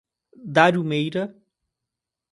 Dário Meira